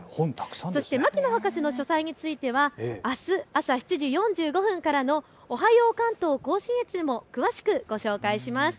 そして牧野博士の書斎についてはあす朝７時４５分からのおはよう関東甲信越でも詳しくご紹介します。